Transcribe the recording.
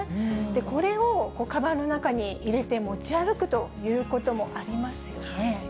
これをかばんの中に入れて持ち歩くということもありますよね。